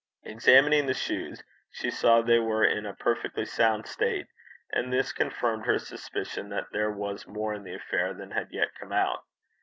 Examining the shoes, she saw they were in a perfectly sound state, and this confirmed her suspicion that there was more in the affair than had yet come out.